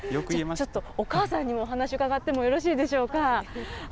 お母さんにも、お話伺ってもよろしいでしょうか。